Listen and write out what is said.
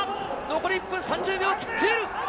残り１分３０秒切っている。